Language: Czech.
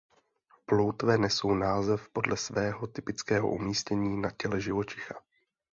Ploutve nesou název podle svého typického umístění na těle živočicha.